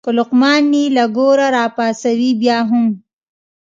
که لقمان یې له ګوره راپاڅوې بیا هم.